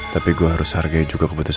tapi gua harus hargai juga kebetulan dia ya